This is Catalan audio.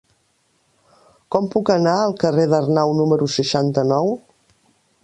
Com puc anar al carrer d'Arnau número seixanta-nou?